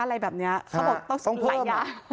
อ๋ออะไรแบบเนี้ยเขาบอกต้องหลายยา